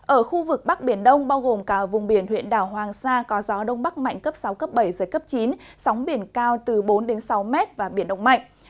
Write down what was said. ở khu vực bắc biển đông bao gồm cả vùng biển huyện đảo hoàng sa có gió đông bắc mạnh cấp sáu cấp bảy giật cấp chín sóng biển cao từ bốn sáu m và biển động mạnh